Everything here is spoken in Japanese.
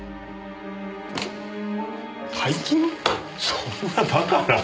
そんなバカな。